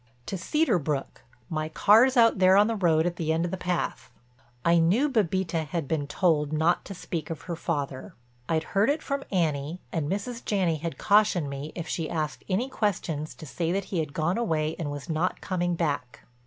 "To Cedar Brook. My car's out there on the road at the end of the path." I knew Bébita had been told not to speak of her father. I'd heard it from Annie and Mrs. Janney had cautioned me, if she asked any questions, to say that he had gone away and was not coming back.